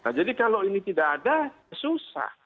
nah jadi kalau ini tidak ada susah